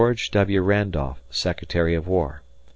W. Randolph, Secretary of War.